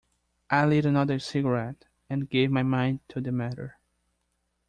I lit another cigarette and gave my mind to the matter.